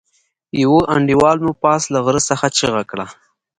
يوه انډيوال مو پاس له غره څخه چيغه کړه.